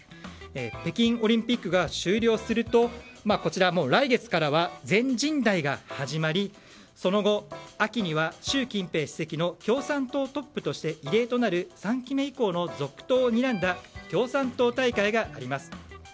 北京オリンピックが終了するともう来月からは全人代が始まりその後、秋には習近平主席の共産党トップとしての異例となる３期目以降の続投をにらんだ共産党大会があります。